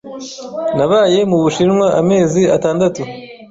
Nabaye mu Bushinwa amezi atandatu.